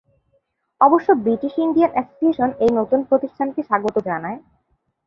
অবশ্য British Indian association এই নতুন প্রতিষ্ঠানকে স্বাগত জানায়।